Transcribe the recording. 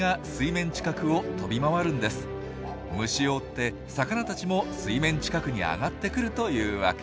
虫を追って魚たちも水面近くに上がってくるというわけ。